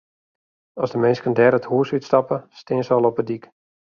As de minsken dêr it hûs út stappe, stean se al op de dyk.